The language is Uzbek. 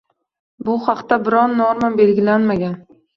bu haqda biror norma belgilanmagan.